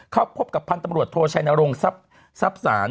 เข้าพบกับพันธุ์ตำรวจโทชัยนรงคับสาร